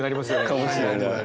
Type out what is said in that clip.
かもしれない。